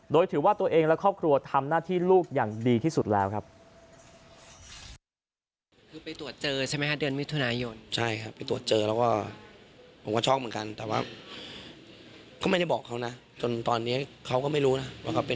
โดยถือว่าตัวเองและครอบครัวทำหน้าที่ลูกอย่างดีที่สุดแล้วครับ